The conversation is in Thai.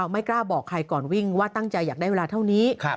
ไม่กล้าบอกใครก่อนวิ่งว่าตั้งใจอยากได้เวลาเท่านี้